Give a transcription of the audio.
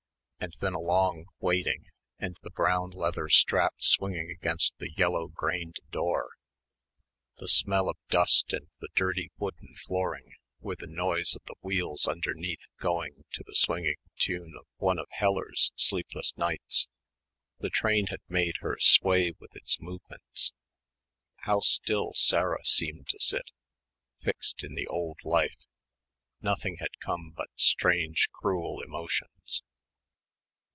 And then a long waiting, and the brown leather strap swinging against the yellow grained door, the smell of dust and the dirty wooden flooring, with the noise of the wheels underneath going to the swinging tune of one of Heller's "Sleepless Nights." The train had made her sway with its movements. How still Sarah seemed to sit, fixed in the old life. Nothing had come but strange cruel emotions.